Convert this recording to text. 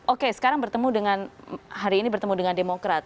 oke sekarang bertemu dengan hari ini bertemu dengan demokrat